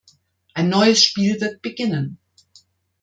Ein neues Spiel wird beginnen.